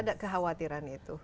ada kekhawatiran itu